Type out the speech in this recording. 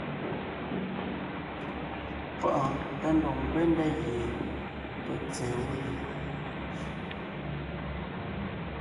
Páʼɔɔn tá ndɔg ńkwɛ́ ndá gie peg èe tsɛ̀ɛ wó li.